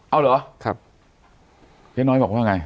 เอาเหรอครับเจ๊น้อยบอกว่าไง